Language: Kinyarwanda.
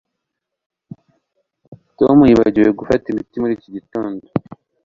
Tom yibagiwe gufata imiti muri iki gitondo